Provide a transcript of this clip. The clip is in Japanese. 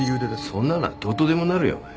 そんなのはどうとでもなるよお前。